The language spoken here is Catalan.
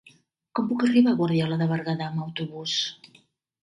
Com puc arribar a Guardiola de Berguedà amb autobús?